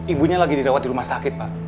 ibunya lagi dirawat di rumah sakit pak